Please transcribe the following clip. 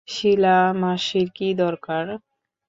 শিলা মাসির কি দরকার?